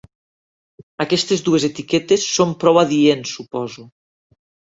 Aquestes dues etiquetes són prou adients, suposo.